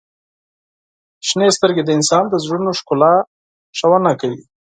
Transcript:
• شنې سترګې د انسان د زړونو ښکلا ښودنه کوي.